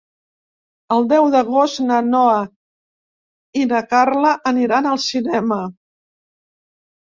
El deu d'agost na Noa i na Carla aniran al cinema.